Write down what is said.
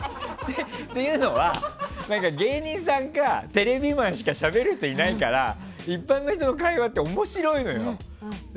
というのは、芸人さんかテレビマンしかしゃべる人いないから一般の人の会話って面白いのよ。